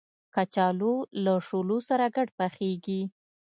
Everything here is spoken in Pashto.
کچالو له شولو سره ګډ پخېږي